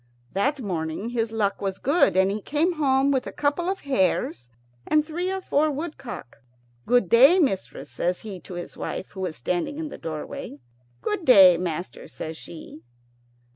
That morning his luck was good, and he came home with a couple of hares and three or four woodcock. "Good day, mistress," says he to his wife, who was standing in the doorway. "Good day, master," says she.